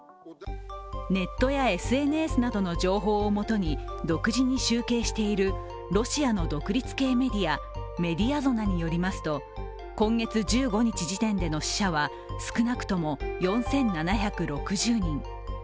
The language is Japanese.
ネットやＳＮＳなどの情報をもとに独自に集計しているロシアの独立系メディアメディアゾナによりますと今月１５日時点での死者は少なくとも４７６０人。